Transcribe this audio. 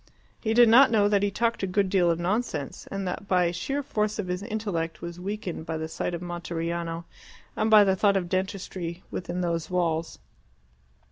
He did not know that he talked a good deal of nonsense, and that the sheer force of his intellect was weakened by the sight of Monteriano, and by the thought of dentistry within those walls.